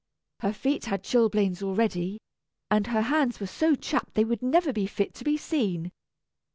Her feet had chilblains already, and her hands were so chapped they would never be fit to be seen.